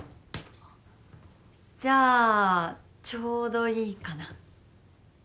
じゃあちょうどいいかな。